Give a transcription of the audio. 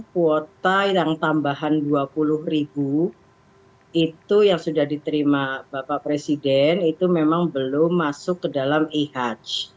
kuota yang tambahan rp dua puluh itu yang sudah diterima bapak presiden itu memang belum masuk ke dalam ihaj